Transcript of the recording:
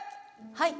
はい。